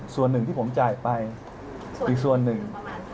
ส่วนหนึ่งที่ผมจ่ายไปอีกส่วนหนึ่ง